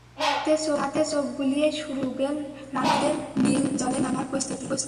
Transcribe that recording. তাতে চোখ বুলিয়েই শুরু হলো রুবেল রানাদের নীল জলে নামার প্রস্তুতি।